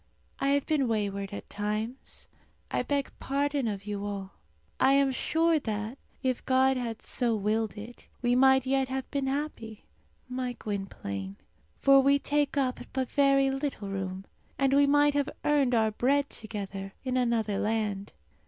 I have been wayward at times; I beg pardon of you all. I am sure that, if God had so willed it, we might yet have been happy, my Gwynplaine; for we take up but very little room, and we might have earned our bread together in another land.